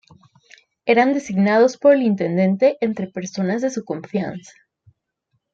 Eran designados por el intendente entre personas de su confianza.